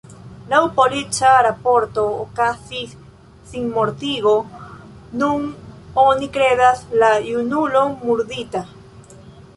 Laŭ polica raporto okazis sinmortigo: nun oni kredas la junulon murdita.